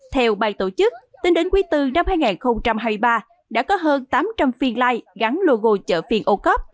theo bàn tổ chức tính đến quý bốn năm hai nghìn hai mươi ba đã có hơn tám trăm linh phiên like gắn logo chợ phiên ocov